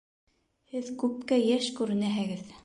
Һеҙ күпкә йәш күренәһегеҙ.